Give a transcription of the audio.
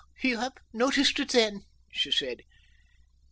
"You have noticed it, then?" she said.